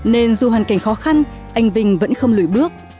nên dù hoàn cảnh khó khăn anh vinh vẫn không lùi bước